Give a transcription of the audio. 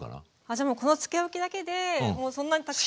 じゃあもうこの漬けおきだけでもうそんなにたくさんに。